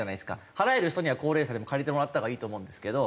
払える人には高齢者でも借りてもらったほうがいいと思うんですけど。